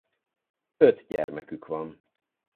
Öt gyermekük van.